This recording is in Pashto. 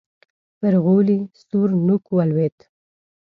پر غولي سور نوک ولوېد.